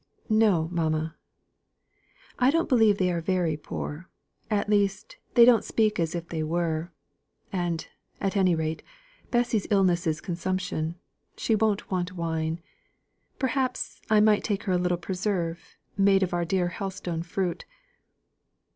"No, mamma! I don't believe they are very poor, at least, they don't speak as if they were; and, at any rate, Bessy's illness is consumption she won't want wine. Perhaps, I might take her a little preserve, made of our dear Helstone fruit.